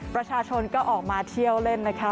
ประชาชนก็ออกมาเที่ยวเล่นนะคะ